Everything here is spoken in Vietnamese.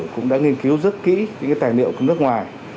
cũng đã nghiên cứu rất kỹ những tài liệu của nước ngoài